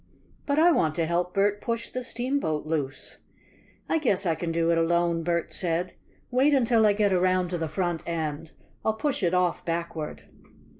"But I want to help Bert push the steamboat loose!" "I guess I can do it alone," Bert said. "Wait until I get around to the front end. I'll push it off backward."